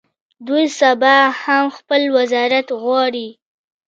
دوی سبا هم خپل وزارت غواړي.